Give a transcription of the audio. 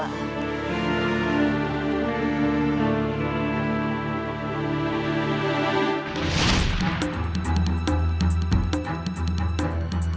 asahin kalian berdua